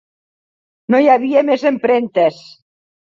No hi havia més empremtes.